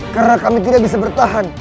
karena kami tidak bisa bertahan